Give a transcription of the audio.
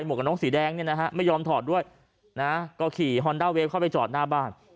หมวกกะน็อกสีแดงไม่ยอมถอดด้วยก็ขี่ฮอนดาเวฟเข้าไปจอดหน้าบ้าน